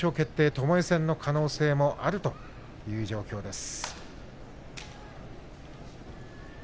ともえ戦の可能性もあるという状況です。